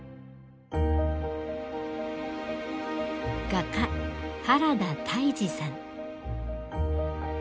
画家原田泰治さん。